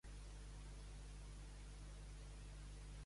Pobre importú sempre treu d'algú.